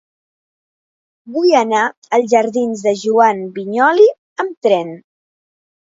Vull anar als jardins de Joan Vinyoli amb tren.